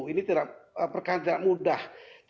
ini tidak mudah